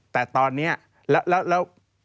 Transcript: แต่ตอนนี้แล้ว